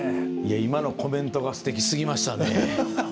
今のコメントがすてきすぎましたね。